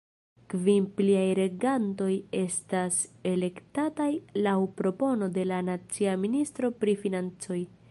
Kvin pliaj regantoj estas elektataj laŭ propono de la nacia ministro pri financoj.